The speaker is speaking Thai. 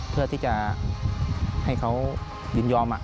เพื่อที่จะให้เขายินยอม